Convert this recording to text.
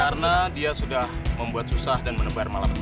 karena dia sudah membuat susah dan menebar malam nanti